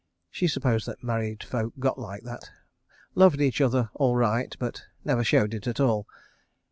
She supposed that married folk got like that ... loved each other all right but never showed it at all.